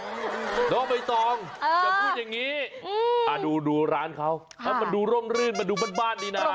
น้องใบตองอย่าพูดอย่างนี้ดูร้านเขาแล้วมันดูร่มรื่นมันดูบ้านดีนะ